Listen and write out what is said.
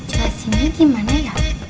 jelasin nih gimana ya